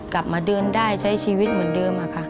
กลับมาเดินได้ใช้ชีวิตเหมือนเดิมค่ะ